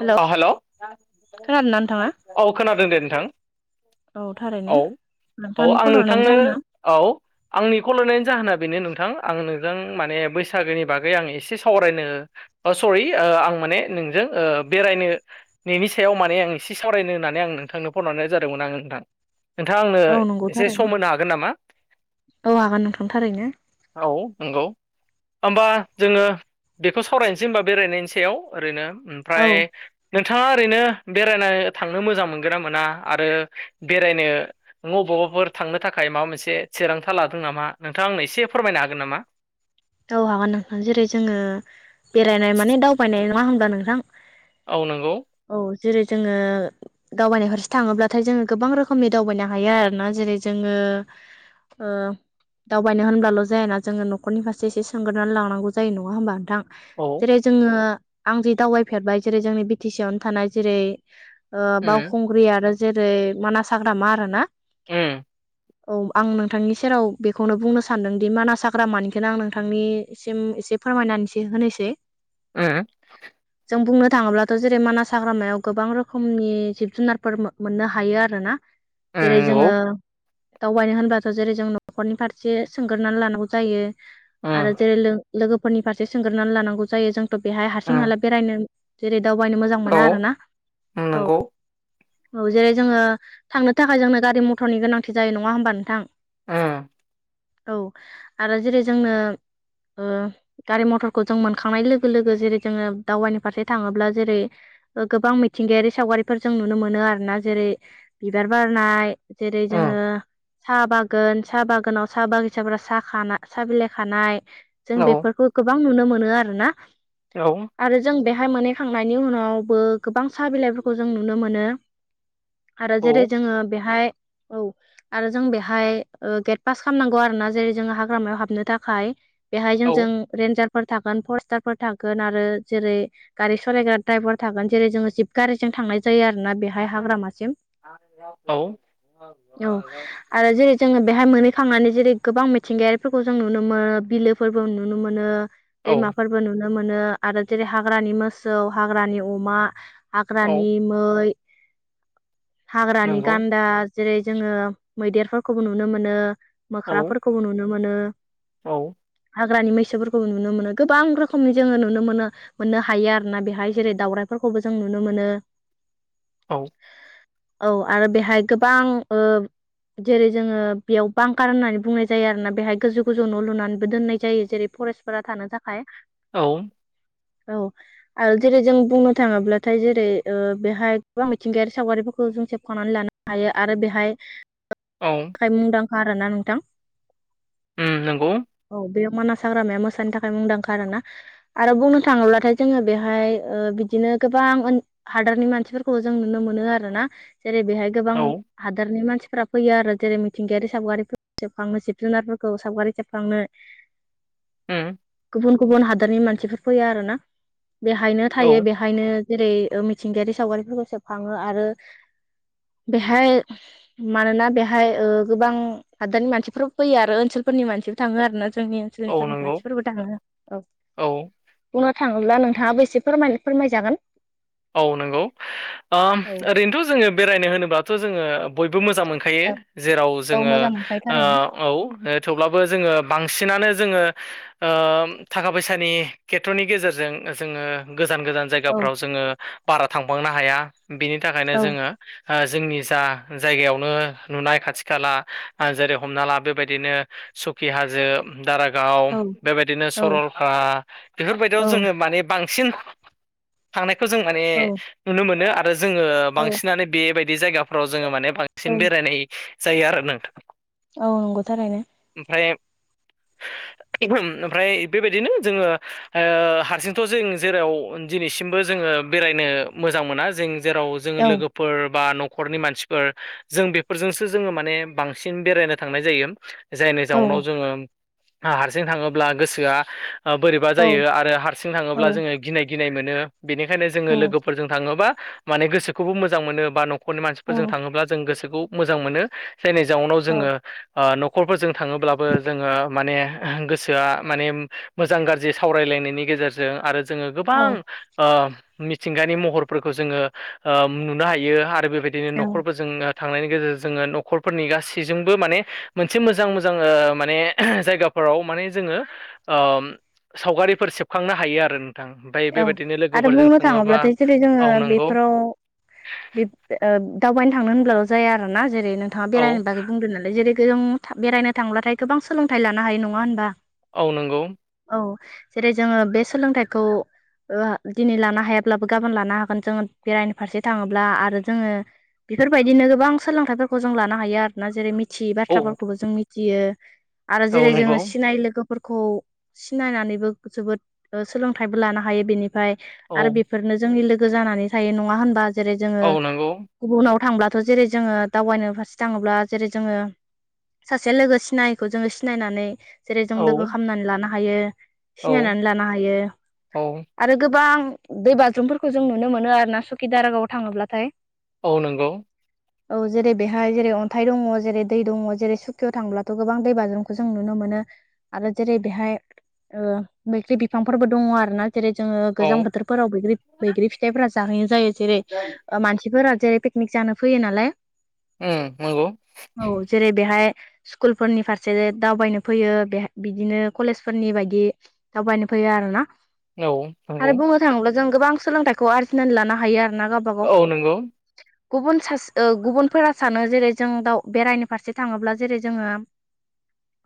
Hello अ hello खोनादोंना नोंथाङा? औ खोनादों दे नोंथां। औ थारैनो औ औ नोंथांनि आं कल हरनायनि नोंथांनो जाहोना औ आंनि खल हरनायनि जाहोना बेनो नोंथां आं नोंजों माने बैसागोनि बागै आं एसे सावरायनो बा सरि ओ आं माने नोंजों ओ बेरायनोनि सायाव माने आं एसे सावरायनो होननानै आं नोंथांनो फन हरनाय जादोंमोन आङो नोंथां। नोंथाङा आंनो औ नंगौ एसे थारैनो सम होनो हागोन नामा? औ हागोन नोंथां थारैनो। औ नंगौ होमबा जोङो बेखौ सावरायनोसै होमबा बेरायनायनि सायाव ओरैनो औ ओमफ्राय नोंथाङा ओरैनो बेरायनो थांनो मोजां मोनगोना मोना आरो बेरायनो मबावबाफोर थांनो थाखाय माबा मोनसे थिरांथा लादों नामा नोंथाङा आंनो एसे फोरमायनो हागोन नामा? औ हागोन नोंथां जेरै जोङो बेरायनाय माने दावबायनाय नङा होनब्ला नोंथां औ नंगौ औ जेरै जोङो दावबायनाय फारसे थाङोब्लाथाय जोङो गोबां रोखोमनि दावबायनो हायो आरो ना जेरै जोङो दावबायनो होनब्लाल' जायाना जोङो न'खरनि फारसे एसेसो सोंग्रोनानै लानांगौ जायो नङा होमबा नोंथां, औ जेरै जोङो आं ज दावबायफेरबाय जेरै जोंनि बि टि सि आवनो थानाय जेरै उम बावखुं ग्रि आरो जेरै मानास हाग्रामा आरो ना। उम। औ आं नोंथांनि सेराव बेखौनो बुंनो सानदों दि मानास हाग्रामानि बेखौनो आं नोंथांनिसिम एसे फोरमायनानैसो होनोसै। उम उम जों बुंनो थाङोब्ला जेरै मानास हाग्रामायाव गोबां रोखोमनि जिब जुनारफोर मोननो हायो आरो ना? जेरै नंगौ जोङो दावबायनो होनब्लाथ' जेरै जों न'खरनि फारसे सोंगोरनानै लानांगौ जायो। आरो उम जेरै लोगोफोरनि फारसे सोंग्रोनानै लानांगौ जायो जोंथ' बेहाय हारसिं उम हाला बेरायनो जेरै दावबायनो मोजां औ मोना आरो ना। उम नंगौ। औ जेरै जोङो थांनो थाखाय जोंनो गारि मटरनि गोनांथि जायो नङा होनबा नोंथां? उम। औ आरो जेरै जोंनो ओ गारि मथरखौ जों मोनखांनाय लोगो लोगो जेरै जोङो दावबायनि फारसे थाङोब्ला जेरै गोबां मिथिंगायारि सावगारिफोर जों नु नो मोनो आरोना जेरै बिबार बारनाय जेरै जोङो साहा बागान साहा बागानाव साहा बागिसाफोराव साहा बिलाइ खानाय जों बेफोरखौ गोबां नुनो मोनो आरो ना। औ आरो जों बेहाय मोनहैखांनायनि उनावबो गोबां साहा बिलाइफोरखौ जों नुनो मोनो। आरो जेरै जोङो बेहाय औ [unintelligible] आरो जों बेहाय गेट पास खालामनांगौ आरोना जेरै जों हाग्रामायाव हाबनो थाखाय बेहाय औ जों जों रेन्जारफोर थागोन फरस्टारफोर थागोन आरो जेरै गारि सालायग्रा ड्राइभार थागोन जेरै जोङो जिब गारिजों थांनाय जायो आरोना बे हाग्रामासिम औ औ। आरो जेरै जोङो बेहाय मोनोहैखांनानै जेरै गोबां मिथिंगायारिफोरखौ जों नुनो मोनो बिलोफोरबो नुनो मोनो। औ औ दैमाफोरबो नुनो मोनो आरो जेरै हाग्रानि मोसौ, हाग्रानि अमा हाग्रानि औ मै, हाग्रानि नंगौ गान्दा जेरै जोङो मैदेरफोरखौबो नुनो मोनो, औ मोख्राफोरखौबो नुनो मोनो। औ। हाग्रानि मैसोफोरखौबो नुनो मोनो गोबां रोखोमनि जोङो नुनो मोनो, मोननो हायो आरो ना बेहाय जेरै दावउराइफोरखौबो जों नुनो मोनो। औ। औ आरो बेहाय गोबां ओ जेरै जोङो बेयाव बांखार होननानै बुंनाय जायो आरोना बेहाय गोजौ गोजौ न' लुनानैबो दोननाय जायो जेरै फरेस्टफोरा थानो थाखाय। औ। औ आरो जेरै जों बुंनो थाङोब्लाथाय जेरै ओ बेहाय गोबां मिथिंगायारि सावगारिफोरखौ जों सेबखांनानै लानो हायो आरो बेहाय औ। थाखाय मुंदांखा आरो ना नोंथां। उम नोंगौ। औ बेयाव मानास हाग्रामाया मोसानि थाखाय मुंदांखा आरो ना। आरो बुंनो थाङोब्लाथाय जोङो बेवहाय बिदिनो गोबां हादोर नि मानसिफोरखौबो जों नुनो मोनो आरोना जेरै बेहाय गोबां औ हादोरनि मानसिफोरा फैयो आरो जेरै मिथिंगायारि सावगारिफोर जोबखांनो जिब जुनारफोरखौ सावगारि सेबखांनो। हो गुबुन गुबुन हादरनि मानसिफोर फैयो आरो ना बेहायनो औ थायो बेहायनो जेरै मिथिंगायारि सावगारिफोरखौ सेबखांङो आरो बेहाय मानोना बेहाय ओ गोबां हादानि मानसिफोर फैयो आरो ओनसोलफोरनि मानसिबो थाङोआरोना जोंनि औ ओनसोलनिफोरनि नंगौ मानसिफोरबो। थाङो औ औ बुंनो थाङोब्ला नोंथाङाबो एसे फोर फोरमायजागोन। औ नंगौ ओम औ ओरैनोथ' जोङो बेरायनो होनोब्लाथ' जोङो बयबो मोजां मोन खायो जेराव औ जोङो मोजां मोनखायो थारैनो ओ औ थेवब्लाबो जोङो बांसिनानो जोङो ओम थाखा फैसानि खेथ्र'नि गेजेरजों जोङो गोजान गोजान औ जायगाफ्राव जोङो बारा थांबांनो हाया बिनि थाखायनो औ जोङो ओ जोंनि जा जागायावनो नुनाय खाथि खाला जेरै हमना ला बेबादिनो सुखि हाजो दारागाव औ बेबायदिनो औ सरलपारा बेफोरबायदियाव जोङो माने बांसिन थांनायखौ जों माने औ नुनो मोनो आरो जोङो औ बांसिनानो बेबायदि जायगाफोराव जोङो माने बांसिन बेरायनाय जायो आरो नोंथां। औ नंगौ थारैनो। ओमफ्राय ओमफ्राय बेबायदिनो जोङो हारसिंथ' जों जेराव दिनैसिमबो जोङो बेरायनो मोजां मोना जों जेराव जोङो औ लोगोफोर बा न'खरनि मानसिफोर जों बेफोरजोंसो जोङो माने बांसिन बेरायनो थांनाय जायो। जायनि औ जाउनाव जोङो हारसिं थाङोब्ला गोसोआ बोरैबा औ जायो आरो हारसिं औ थाङोब्ला जोङो गिनाय गिनाय मोनो। बेनिखायनो जोङो औ लोगोफोरजों थाङोबा माने गोसोखौबो मोजां मोनो बा न'खरनि मानसिफोरजों थाङोब्ला जों गोसोखौ मोजां मोनो। जायनि जाउनाव जोङो न'खरफोरजों थाङोब्लाबो जोङो माने गोसोआ माने मोजां गाज्रि सावरायलायनायनि गेजेरजों आरो जोङो औ गोबां मिथिंगानि महरफोरखौ जोङो नुनो हायो आरो बेबायदि बि औ नखरबो जोंनो थांनायनि गेजेरजों जोङो न'खरफोरनि गासैजोंबो माने मोनसे मोजां मोजां माने जायगा फोराव माने जोङो सावगारिफोर सेबखांनो हायो आरो नोंथां। ओमफ्राय औ बेबायदि आरो बुंनो थाङोब्लाथाय जेरै जोङो नंगौ बेफोराव दावबायनो थांनो होनब्लाल' जाया आरो ना जेरै नोंथाङा औ बेरायनो बागै बुंदों नालाय जेरै जों बेरायनो थांब्लाथाय गोबां सोलोंथाइ लानो हायो नङा होनबा? औ नंगौ औ जेरै जोङो बे सोलोंथाइखौ दिनै लानो हायाब्लाबो गाबोन लानो हागोन जोङो बेरायनो फारसे थाङोब्ला आरो जोङो बेफोरबायदिनो गोबां सोलोंथाइफोरखौ जों लानो हायो आरोना जेरै मिथ औ बाथ्राफोरखौबो जों मिथियो आरो औ जेरै नंगौ जोङो सिनाय लोगो फोर सिनायनानैबो जोबोद सोलोंथाइबो लानो हायो बेनिफ्राय औ आरो बे बेफोरनो जोंनि लोगो जानानै थायो नङा होनबा जेरै जोङो औ नंगौ गुबुनुनाव थांब्लाथ' जेरै जोङो दावबायनो फारसे थाङोब्ला जेरै जोङो सासे लोगो सिनायैखौ जोङो सिनायनानै जेरै जों औ लोगो खालामनानै लानो हायो औ सिनायनानै लानो हायो। औ। आरो गोबां दै बाज्रुमफोरखौ जों नुनो मोनो आरोना सुकि दारागावआव थाङोब्लाथाय। औ नंगौ। औ जेरै बेहाय जेरै अन्थाइ दङ जेरै दै दङ जेरै सुखियाव थांब्लाथ' गोबां दै बाज्रुमखौ जों नुनो मोनो। आरो जेरै बेहाय बैग्रि बिफांफोरबो दङ आरो। जेरै जोङो औ गोजां बोथोरफोराव बैग्रि बैग्रि फिथाइफोरा जाहैनाय जायो जेरै ओ मानसिफोरा जे पिकनिक जानो फैयो नालाय ए नंगौ। औ जेरै बेहाय स्कुलफोरनि फारसे दावबायनो फैयो बेहा बिदिनो कलेजफोरनि बायदि दावबायनो फैयो आरोना औ आरो नंगौ बुंनो थाङोब्ला जों गोबां सोलोंथाइखौ आरजिनानै लानो हायो आरो ना गावबा औ गाव नंगौ गुबुन सास ओ गुबुनफोरा सानो जेरै जों दाव बेरायनो फारसे थाङोब्ला जेरै जोङो [inaudible]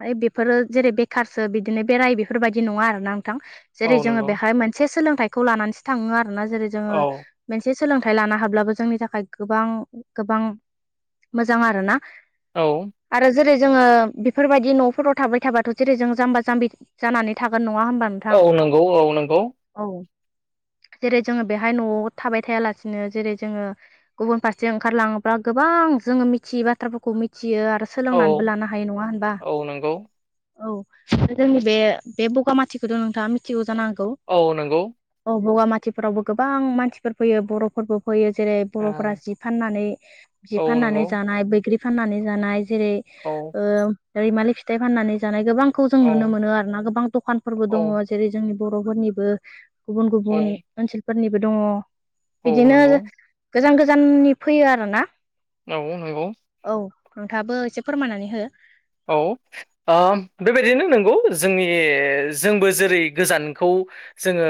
फ्राय बेफोरो जेरै बेखारसो बिदिनो बेराय बेफोरबायदि नङा आरोना नोंथां। औ नंगौ। हाय मोनसे सोलोंथाइखौ लानानैसो थाङो आरो ना जेरै जोङो औ मोनसे सोलोंथाइ लानो हाब्लाबो जोंनि थाखाय गोबां गोबां मोजां आरोना औ आरो जेरै जोङो बेफोरबायदि न'फोराव थाबाय थाबाथ' जेरै जों जाम्बा जाम्बि जानानै थागोन नङा होमबाम औ नंगौ औ नंगौ। औ जेरै जोङो बेहाय न'आव थाबाय थायालासिनो जेरै जोङो गुबुन फारसे ओंखारलाङोब्ला गोबां जोङो मिथियै बाथ्राफोरखौ मिथियो आरो औ सोलोंनानैबो लानो हायो नङा होनबा? औ नंगौ औ जोंनि बे बे बगामाथिखौथ' नोंथाङा मिथिगौ जानांग औ नंगौ। औ बगामाथिफोरावबो गोबां मानसिफोर फैयो बर'फोरबो फैयो जेरै बर'फोरा ओं जि फाननानै जि औ फाननानै नंगौ जानाय बैग्रि फाननानै जानाय जेरै औ ओ रैमालि फिथाइ फाननानै जानाय गोबां खौ जों औ नुनो मोनो आरो ना गोबां दखानफोरबो दङ औ जेरै जोंनि बर'फोरनिबो गुबुन गुबुन औ ओनसोलफोरनिबो दङ औ बिदिनो नंगौ गोजान गोजाननि फैयो आर ना औ नैगौ। औ नोंथाङाबो एसे फोरमायनानै हो? औ ओ बेबायदिनो नंगौ जोंनि जोंबो जेरै गोजानखौ जोङो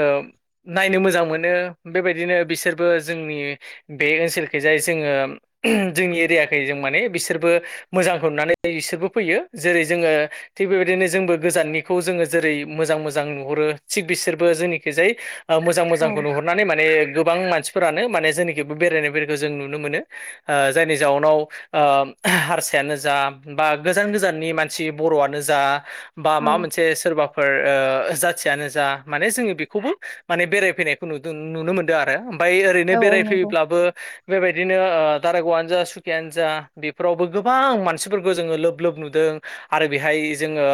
नायनो मोजां मोनो बेबायदिनो बिसोरबो जोंनि बे ओनसोलखिजाय जोङो जोंनि एरियाखै जों माने बिसोरबो मोजांखौ नुनानै बिसोरबो फैयो जेरै जोङो थिग बेबायदिनो जोंबो गोजाननिखौ जोङो जेरै मोजां मोजां नुहरो थिग बिसोरबो जोंनिखिजाय ओ मोजां औ मोजांखौ नुहुरनानै माने गोबां मानसिफोरानो माने जेनाखि बे बेरायनाय बेरायखौ जों नुनो मोनो। ओ जायनि जाउनाव ओ हारसायानो जा बा गोजान गोजाननि मानसि बर'आनो जा बा औ माबा मोनसे सोरबाफोर ओ जाथियानो जा माने जोङो बेखौबो माने बेरायफैनायखौ नुदो नुनो मोनदो आरो ओमफाय ओरैनो औ औ नंगौ बेरायफैयोब्लाबो बेबायदिनो ओ दारागावानो जा सुखियानो जा बेफोरावबो गोबां मानसिफोरखौ जोंङो लोब लोब नुदों आरो बेहाय जोंङो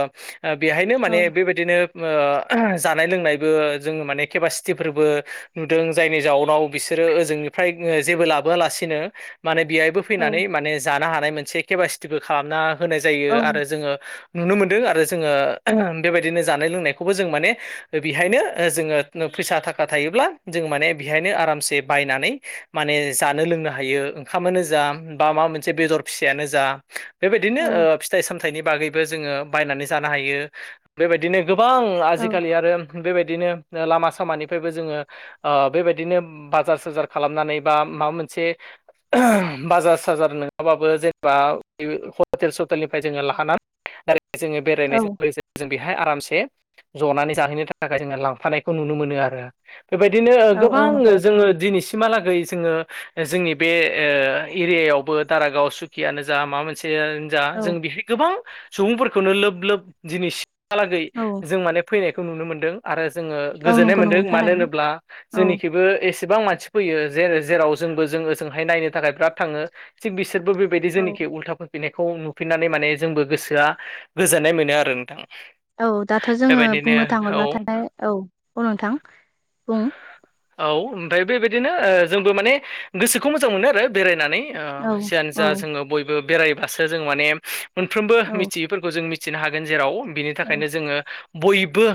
ओ बेहायनो औ माने बेबाय दिनो ओ जानाय लोंनायबो जों माने केपासिटि फोरबो उम दों जायनि जाउनाव बिसोरो ओजोंनिफ्राय ओ जेबो लाबोआलासिनो माने बेहायबो औ फैनानै माने जानो हानाय मोनसे केपासिटिबो खालामना होनाय जायो औ आरो जोंङो नुनो मोनदों आरो जोंङो बेबायदिनो जानाय लोंनायखौबो जों माने बेहायनो ओ जोंङो नो फैसा थाखा थायोब्ला जों माने बेहायनो आरामसे बायनानै माने जानो लोंनो हायो। ओंखामानो जा बा माबा मोनसे बेदर फिसायानो जा बेबायदि दिनो औ ओ फिथाइ सामथाइनि बागैबो जोंङो बायनानै जानो हायो। बेबायदिनो गोबां ओं आजिखालि आरो बेबायदिनो ओ लामा सामानिफ्रायबो जोंङो। आ बेबायदिनो बाजार साजार खालामनानै बा माबा मोनसे बाजार साजार नैङा बाबो जेनेबा बि ह हटेल सटेलनिफ्राय जोंङो लाखाना आरो जोंङो औ बेरायनायजों लोगोसे जों बेहाय आरामसे ज'नानै जाहैनो थाखाय जोंङो लांफानायखौ नुनो मोनो आरो। बेबायदिनो ओ गोबां औ नंगौ जोंङो दिनैसि सिमागै जोंङो जोंनि बे ओ एरियावबो दारागाव सुकियानो जा मा मोनसे जियानो जा औ जों बिखि गोबां सुबुंफोरखौनो लोब लोब दिनैसि हा लागै औ जों माने फैनायखौ नुनो मोनदों। आरो जोंङो औ गोजोननाय नंगौ मोनदों। नंगौ मानो थारैनो होनोब्ला औ जोंनिखिबो एसेबां मानसि फैयो जे जेराव जोंबो जों ओजोंहाय नायनो थाखाय बिराद थाङो। थिग बिसोरबो बेबायदि जेनिखि उल्थाफो फैनायखौ नुफिनानै माने जोंबो गोसोआ गोजोनाय मोनो आरो नोंथां। औ दाथ' जोंङो बेबायदिनो बुंनो औ थाङोब्लाथाय औ औ नोंथां। बुं? औ ओमफाय बेबायदिनो ओ जोंबो माने गोसोखौ मोजां मोनो आरो बेरायनानै। आ औ जियानो औ जा जोंङो बयबो बेरायबासो जों माने मोनफ्रोमबो औ मिथियैफोरखौ जों मि थिनो हागोन जेराव बिनि औ थाखायनो जोंङो बयबो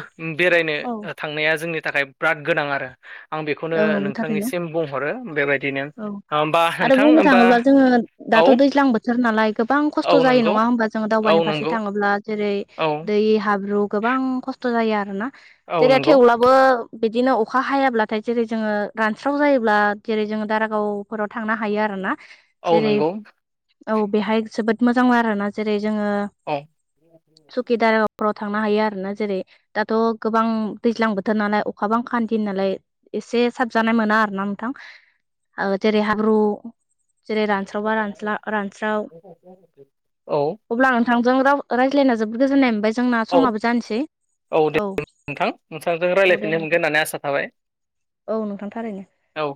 बेरायनो औ ओ थांनाया जोंनि थाखाय ब्राद गोनां आरो। आं बेखौनो नंगौ थारैनो नोंथांनिसिम बुंहरो बेबायदिनो औ ओमबा आरो नोंथां बुंनो ओमबा थाङोब्ला जोङो दाथ' दैज्लां बोथोर नालाय गोबां खस्थ' जायो नंगौ नङा होमबा जोंङो औ दावबायनाय फारसे नंगौ थाङोब्ला। जेरै औ दैै हाब्रु गोबां खस्थ' जायो आरोना। औ जेरै नंगौ थेवब्लाबो बिदिनो अखा हायाब्ला थाय जेरै जोंङो रानस्राव जायोब्ला जेरै जोंङो दारागावफोराव थांनो हायो आरो ना। औ जेरै नंगौ औ बेहाय जोबोद मोजां आरोना। जेरै जोंङो औ। सुखिदाराफोराव थांनो हायो आरो ना। जेरै दाथ' गोबां दैज्लां बोथोर नालाय अखा बांखा दिन नालाय। एसे साबजानाय मोना आरो ना नोंथां। ओ जेरै हाब्रु जेरै रानस्रावबा रानस्ला रानस्राव। औ अब्ला नोंथांजों राव रायज्लायना जोबोद गोजोन्नाय मोनबाय। जोंना औ समाबो जानोसै औ औ दे नोंथां। माने आसा थाबाय। औ नोंथां थारैनो। औ।